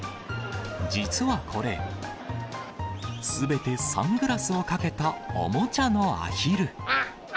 実はこれ、すべてサングラスをかけたおもちゃのアヒル。